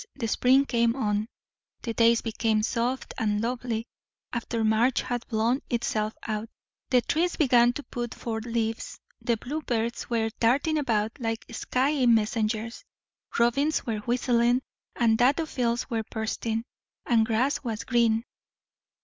The spring came on, the days became soft and lovely, after March had blown itself out; the trees began to put forth leaves, the blue birds were darting about, like skyey messengers; robins were whistling, and daffodils were bursting, and grass was green.